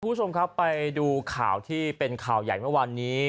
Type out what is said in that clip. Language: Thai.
คุณผู้ชมครับไปดูข่าวที่เป็นข่าวใหญ่เมื่อวานนี้